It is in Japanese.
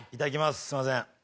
すいません。